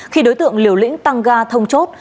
khi đối tượng liều lĩnh tăng ga thông chốt